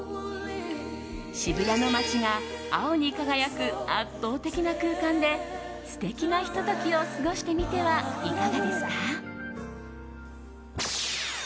渋谷の街が青に輝く圧倒的な空間で素敵なひと時を過ごしてみてはいかがですか？